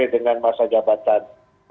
dengan masa jabatan